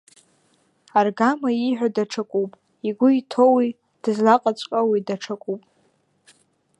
Аргама ииҳәо даҽакуп, игәы иҭоуи дызлаҟаҵәҟьоуи даҽакуп.